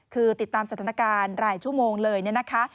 คือติดตามสถานการณ์หลายชั่วโมงเลยเนี่ยนะคะ